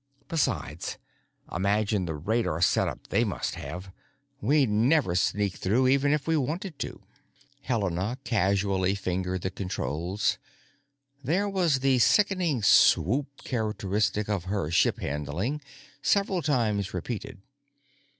Besides, imagine the radar setup they must have! We'd never sneak through even if we wanted to." Helena casually fingered the controls; there was the sickening swoop characteristic of her ship handling, several times repeated.